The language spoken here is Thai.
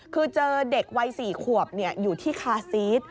คือเจอเด็กวัย๔ขวบอยู่ที่คาซีส